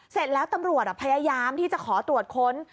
เสร็จแล้วตำรวจพยายามที่จะขอตรวจค้น